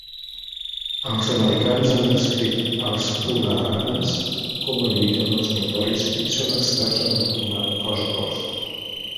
Els americans han descrit als Pulahanes com a lluitadors notoris i són experts en el combat cos a cos.